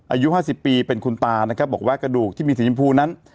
อายุ๕๐ปีเป็นคุณตานะครับบอกว่ากระดูกที่มีสีชมพูนั้น